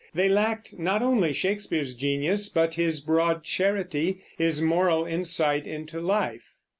They lacked not only Shakespeare's genius, but his broad charity, his moral insight into life.